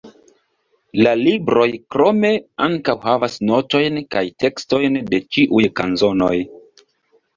La libroj krome ankaŭ havas notojn kaj tekstojn de ĉiuj kanzonoj.